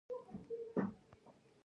تاریخ تل ژوندی پاتې کېږي.